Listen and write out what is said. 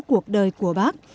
cuộc đời của bác